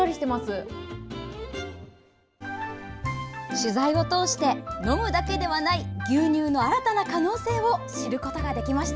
取材を通して飲むだけではない牛乳の新たな可能性を知ることができました。